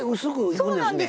そうなんです。